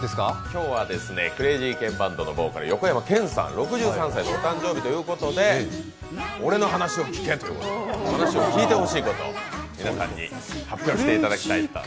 今日はクレイジーケンバンドのボーカル横山剣さん６３歳のお誕生日ということで、「俺の話を聞け！」ということで聞いてほしいことをお伺いします。